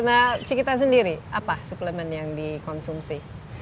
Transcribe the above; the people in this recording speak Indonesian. nah cikita sendiri apa suplemen yang dikonsumsi